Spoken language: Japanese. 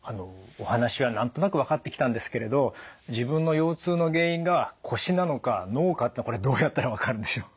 お話は何となく分かってきたんですけれど自分の腰痛の原因が腰なのか脳かってのはこれどうやったら分かるんでしょう？